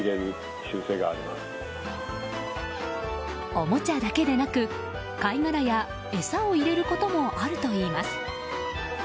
おもちゃだけでなく貝殻や餌を入れることもあるといいます。